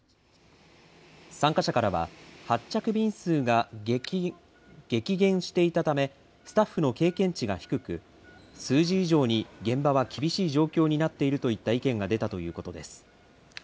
参加者からは、発着便数が激減していたため、スタッフの経験値が低く、数字以上に現場は厳しい状況になっているといった意見が出たということです。